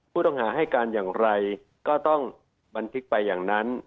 ผู้ต้องหาให้การอย่างไรก็ต้องบันทึกไปอย่างนั้น